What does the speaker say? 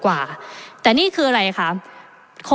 ประเทศอื่นซื้อในราคาประเทศอื่น